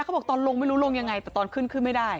เขาบอกตอนลงไม่รู้ลงยังไงแต่ตอนขึ้นขึ้นไม่ได้